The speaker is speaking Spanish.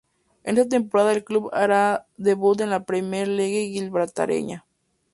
En esta temporada el club hará se debut en la Premier League Gibraltareña